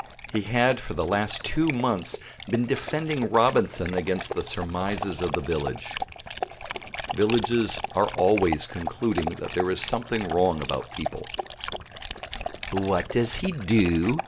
He had for the last two months been defending Robinson against the surmises of the village. Villages are always concluding there is something wrong about people. "What does he do?"